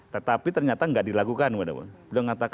tetapi ternyata nggak dilakukan